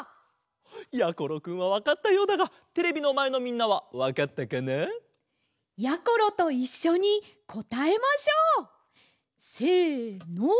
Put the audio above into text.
やころくんはわかったようだがテレビのまえのみんなはわかったかな？やころといっしょにこたえましょう！せの。